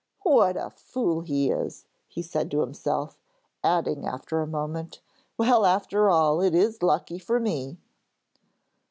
'What a fool he is!' he said to himself, adding after a moment 'Well, after all, it is lucky for me!'